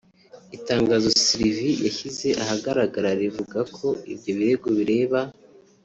Itangazo Survie yashyize ahagaragara rivuga ko ibyo birego bireba